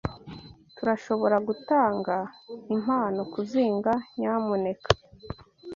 Turashoboragutanga impano-kuzinga, nyamuneka?